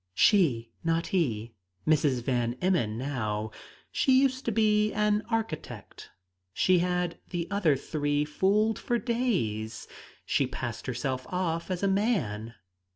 "She not he. Mrs. Van Emmon now; she used to be an architect. She had the other three fooled for ten days; she passed herself off as a man!"